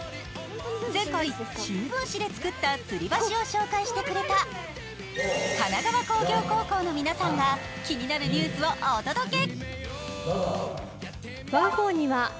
前回、新聞紙で作ったつり橋を紹介してくれた神奈川工業高校の皆さんが気になるニュースをお届け。